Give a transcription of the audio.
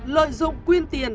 lợi dụng quyền tiền